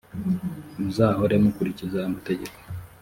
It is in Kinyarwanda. muzahore mukurikiza amategeko